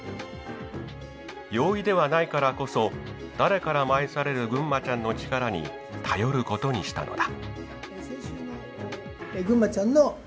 容易ではないからこそ誰からも愛されるぐんまちゃんの力に頼ることにしたのだ。